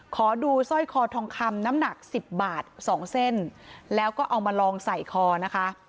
ขอดูสร้อยคอทองคำน้ำหนักสิบบาทสองเส้นแล้วก็เอามาลองใส่คอนะคะ